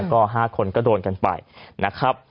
ก็๕คนก็โดนกันไปนะครับ